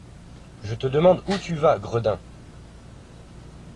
Je te demande où tu vas, gredin?